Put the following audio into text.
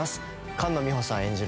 菅野美穂さん演じる